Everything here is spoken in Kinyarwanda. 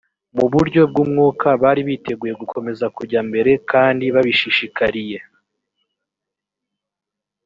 mu buryo bw umwuka bari biteguye gukomeza kujya mbere kandi babishishikariye